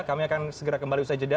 kami akan segera kembali usai jeda